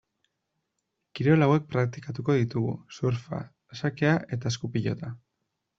Kirol hauek praktikatuko ditugu: surfa, xakea eta eskupilota.